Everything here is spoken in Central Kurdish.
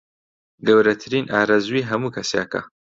گەورەترین ئارەزووی هەموو کەسێکە